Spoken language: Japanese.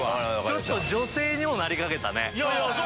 ちょっと女性にもなりかけたね。